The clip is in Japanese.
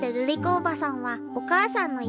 おばさんはお母さんのいとこ。